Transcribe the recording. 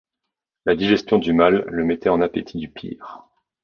La digestion du mal le mettait en appétit du pire.